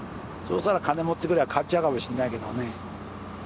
そしたら金持ってくりゃ変わっちゃうかもしれないけどね。